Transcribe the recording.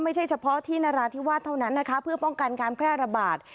ไม่ใช่เฉพาะที่นราธิวาสเท่านั้นนะคะเพื่อป้องกันการแพร่ระบาด